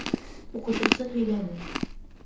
Уҡытыусы һөйләне.